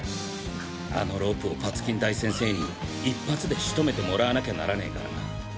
あのロープをパツキン大先生に１発で仕留めてもらわなきゃならねぇからな。